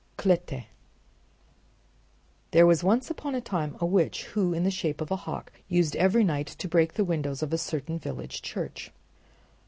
Kletke There was once upon a time a witch who in the shape of a hawk used every night to break the windows of a certain village church.